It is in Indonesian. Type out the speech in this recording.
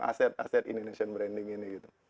aset aset indonesian branding ini gitu